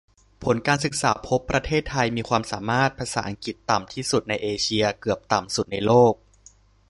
ผลการศึกษาพบ ประเทศไทยมีความสามารถภาษาอังกฤษต่ำที่สุดในเอเชีย เกือบต่ำสุดในโลก